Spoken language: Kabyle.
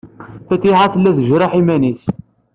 Fatiḥa tella tjerreḥ iman-nnes.